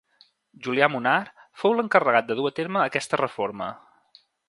Julià Munar fou l’encarregat de dur a terme aquesta reforma.